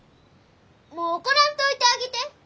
もう怒らんといてあげて。